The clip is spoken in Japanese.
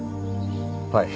はい。